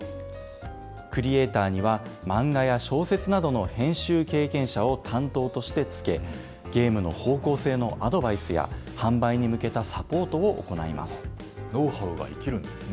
クリエーターには、漫画や小説などの編集経験者を担当として付け、ゲームの方向性のアドバイスや、販売に向けたサポートを行います。